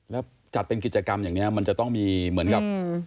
แล้วจัดเป็นกิจกรรมอย่างนี้มันจะต้องมีเหมือนกับ